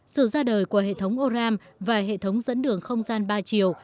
sự ra đời của hệ thống oram và hệ thống dẫn đường không gian ba chiều